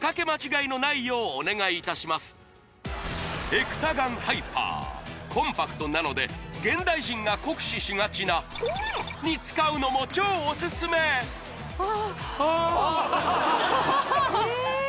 エクサガンハイパーコンパクトなので現代人が酷使しがちな○○に使うのも超おすすめあ